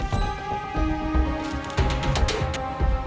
boleh buat saya